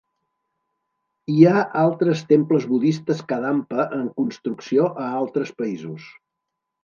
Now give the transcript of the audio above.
Hi ha altres temples budistes Kadampa en construcció a altres països.